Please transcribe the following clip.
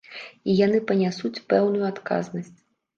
І яны панясуць пэўную адказнасць.